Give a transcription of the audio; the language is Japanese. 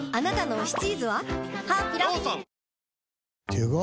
手紙？